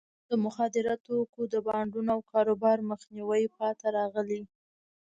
د مخدره توکو د بانډونو او کاروبار مخنیوي پاتې راغلی.